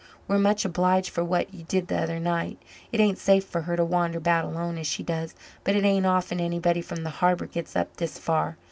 We're much obliged for what you did the other night. It ain't safe for her to wander about alone as she does, but it ain't often anybody from the harbour gets up this far.